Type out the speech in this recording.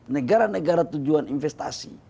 negara negara tujuan investasi